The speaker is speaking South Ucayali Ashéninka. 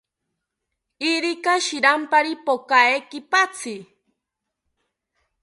Irika shirampari pokae kipatzi